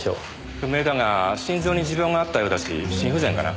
不明だが心臓に持病があったようだし心不全かな。